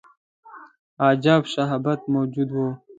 عجیب شباهت موجود وو.